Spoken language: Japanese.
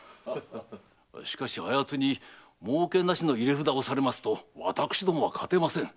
しかしあ奴に儲けなしの入札をされますと私どもは勝てません。